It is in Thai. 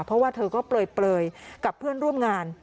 เพราะว่าเธอก็เปลยกับเพื่อนร่วมงาน